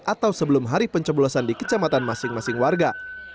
atau sebelum hari pencoblosan di kecamatan masing masing warga